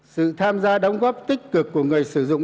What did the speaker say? sự tham gia đóng góp tích cực của người sử dụng